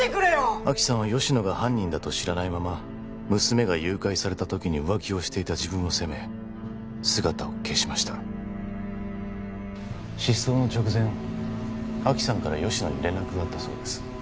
亜希さんは吉乃が犯人だと知らないまま娘が誘拐されたときに浮気をしていた自分を責め姿を消しました失踪の直前亜希さんから吉乃に連絡があったそうです